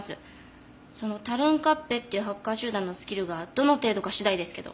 そのタルンカッペっていうハッカー集団のスキルがどの程度か次第ですけど。